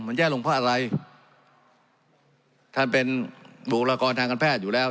มันแย่ลงเพราะอะไรท่านเป็นบุคลากรทางการแพทย์อยู่แล้ว